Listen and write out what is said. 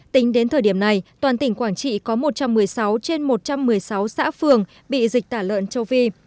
tính đến thời điểm này toàn tỉnh quảng trị có một trăm một mươi sáu trên một trăm một mươi sáu xã phường bị dịch tả lợn châu phi